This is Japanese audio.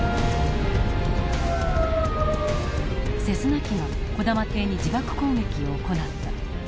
セスナ機が児玉邸に自爆攻撃を行った。